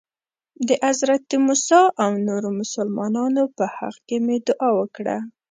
د حضرت موسی او نورو مسلمانانو په حق کې مې دعا وکړه.